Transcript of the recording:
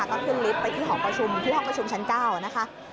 ก็ขึ้นลิฟต์ไปที่หอประชุมที่ห้องประชุมชั้น๙นะคะ